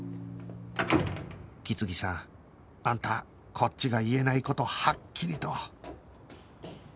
木次さんあんたこっちが言えない事はっきりと